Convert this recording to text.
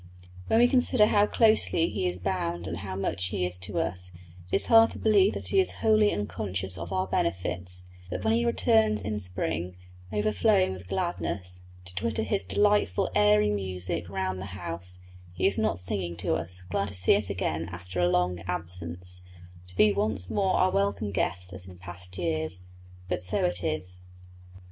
When we consider how closely he is bound and how much he is to us, it is hard to believe that he is wholly unconscious of our benefits, that when he returns in spring, overflowing with gladness, to twitter his delightful airy music round the house, he is not singing to us, glad to see us again after a long absence, to be once more our welcome guest as in past years. But so it is.